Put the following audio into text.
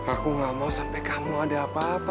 aku gak mau sampai kamu ada apa apa